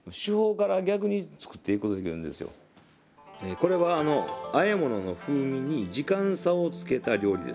これはあえものの風味に時間差をつけた料理です。